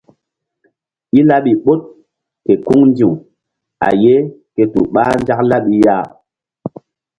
I laɓi ɓoɗ ke kuŋ ndi̧w a ye ke tu ɓah nzak laɓi ya.